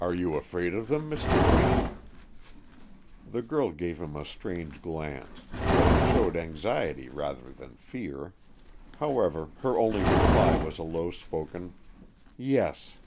"Are you afraid of them, Miss Dupuy?" The girl gave him a strange glance; but it showed anxiety rather than fear. However, her only reply was a low spoken "Yes."